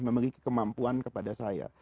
memiliki kemampuan kepada saya